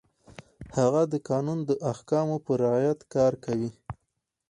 هغه د قانون د احکامو په رعایت کار کوي.